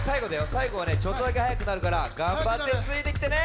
さいごはちょっとだけはやくなるからがんばってついてきてね。